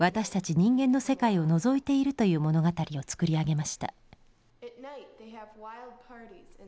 人間の世界をのぞいているという物語を作り上げました。